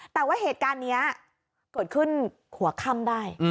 แต่ว่าเหตุการณ์นี้เกิดขึ้นหัวค่ำได้